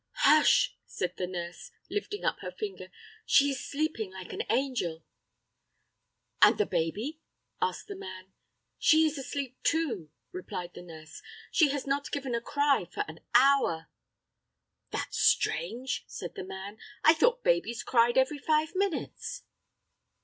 "Hush!" said the nurse, lifting up her finger, "she is sleeping like an angel." "And the baby?" asked the man. "She is asleep too," replied the nurse; "she has not given a cry for an hour." "That's strange!" said the man. "I thought babies cried every five minutes."